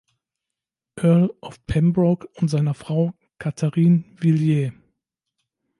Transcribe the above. Earl of Pembroke, und seiner Frau Catharine Villiers.